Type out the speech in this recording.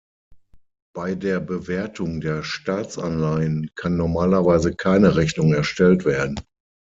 Bei der Bewertung der Staatsanleihen kann normalerweise keine Rechnung erstellt werden.